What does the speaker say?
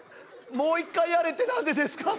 もう一回やれって何でですか？